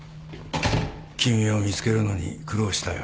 君を見つけるのに苦労したよ。